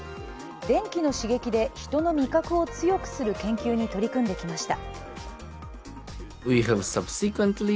電気の刺激で人の味覚を強くする研究に取り組んできました。